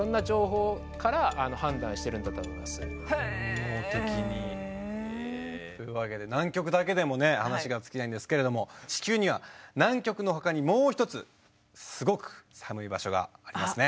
本能的に。というわけで南極だけでもね話が尽きないんですけれども地球には南極のほかにもう一つすごく寒い場所がありますね。